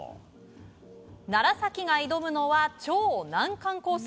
楢崎が挑むのは超難関コース。